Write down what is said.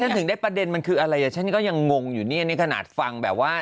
ถึงได้ประเด็นมันคืออะไรอ่ะฉันก็ยังงงอยู่เนี่ยนี่ขนาดฟังแบบว่า